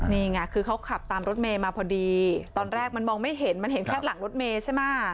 นี่ไงคือเขาขับตามรถเมย์มาพอดีตอนแรกมันมองไม่เห็นมันเห็นแค่หลังรถเมย์ใช่ไหม